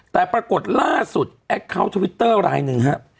แต่ปรากฏล่าสุดแอคเคาน์ทวิตเตอร์รายหนึ่งฮะ